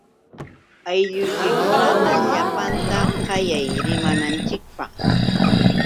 Aylluykikunata llapanta qayay rimananchikpaq.